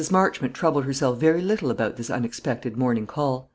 Lawford troubled herself very little about this unexpected morning call.